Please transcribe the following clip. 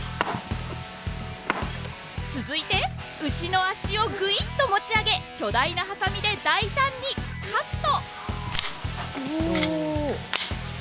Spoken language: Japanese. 続いて牛の足をぐいっと持ち上げ巨大なはさみで大胆にカット。